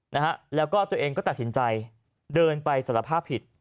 นะฮะแล้วก็ตัวเองก็ตัดสินใจเดินไปสารภาพผิด